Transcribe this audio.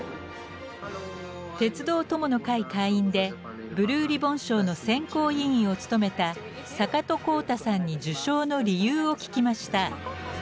「鉄道友の会」会員でブルーリボン賞の選考委員を務めた坂戸宏太さんに受賞の理由を聞きました。